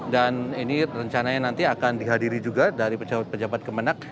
ini rencananya nanti akan dihadiri juga dari pejabat pejabat kemenang